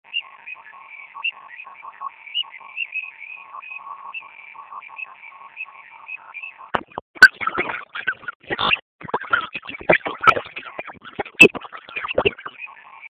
Oka egin nuen lehenik eta botaka ondoren.